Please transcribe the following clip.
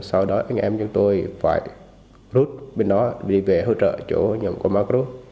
sau đó anh em của chúng tôi phải rút bên đó đi về hỗ trợ chỗ nhóm của amagru